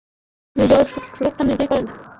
নিজের সুরক্ষা নিজেই করেন।